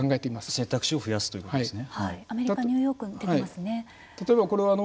選択肢を増やすということですね。